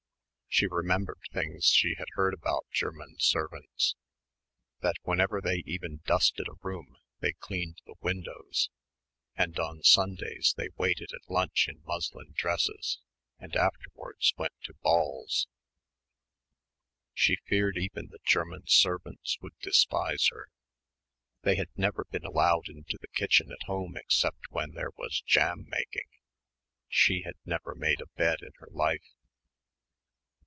She remembered things she had heard about German servants that whenever they even dusted a room they cleaned the windows and on Sundays they waited at lunch in muslin dresses and afterwards went to balls. She feared even the German servants would despise her. They had never been allowed into the kitchen at home except when there was jam making ... she had never made a bed in her life....